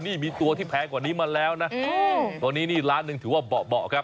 นี่มีตัวที่แพงกว่านี้มาแล้วนะตัวนี้นี่ล้านหนึ่งถือว่าเบาะครับ